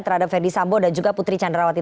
terhadap ferdi sambo dan juga putri candrawati